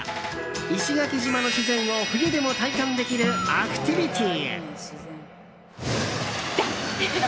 石垣島の自然を冬でも体感できるアクティビティー。